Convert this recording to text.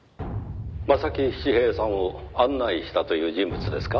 「柾七平さんを案内したという人物ですか？」